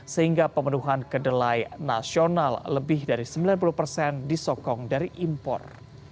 sehingga pemenuhan kedelai nasional lebih dari sembilan puluh persen disokong dari impor